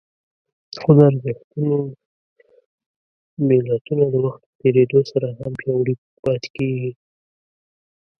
خو د ارزښتونو ملتونه د وخت په تېرېدو سره هم پياوړي پاتې کېږي.